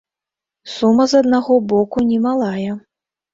Сума, з аднаго боку, немалая.